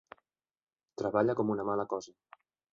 Treballa com una mala cosa.